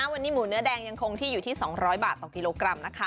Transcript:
วันนี้หมูแหน้งอยู่ที่๒๐๐บาทกิโลกรัม